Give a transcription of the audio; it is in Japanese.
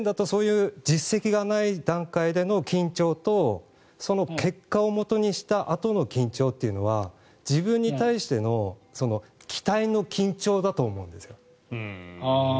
そういう実績がない段階での緊張とその結果をもとにしたあとの緊張というのは自分に対しての期待の緊張だと思うんですよ。